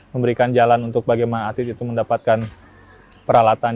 memberikan jalan untuk bagaimana atlet itu mendapatkan peralatan